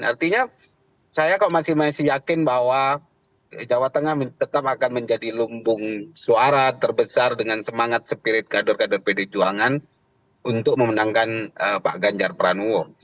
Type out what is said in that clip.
artinya saya kok masih yakin bahwa jawa tengah tetap akan menjadi lumbung suara terbesar dengan semangat spirit kader kader pd perjuangan untuk memenangkan pak ganjar pranowo